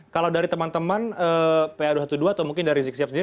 kalau dari teman teman pa dua ratus dua belas atau mungkin dari rizik siap sendiri